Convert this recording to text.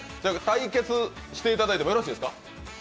対決していただいてもよろしいですか？